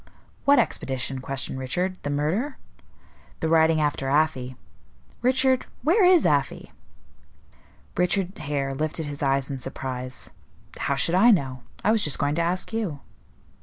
"What expedition?" questioned Richard. "The murder?" "The riding after Afy. Richard, where is Afy?" Richard Hare lifted his eyes in surprise. "How should I know? I was just going to ask you."